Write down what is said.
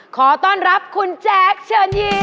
ขอต้อนรับคุณแจ๊คเชิญยิ้ม